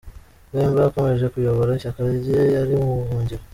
Bemba yakomeje kuyobora ishyaka rye ari mu buhungiro.